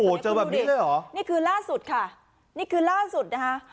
โอ้โหเจอแบบนี้เลยเหรอนี่คือล่าสุดค่ะนี่คือล่าสุดนะคะ